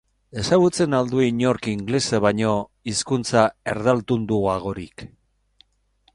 Ezagutzen al du inork ingelesa baino hizkuntza erdaldunduagorik?